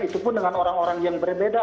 itu pun dengan orang orang yang berbeda